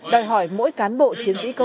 đòi hỏi mỗi cán bộ chiến sĩ công an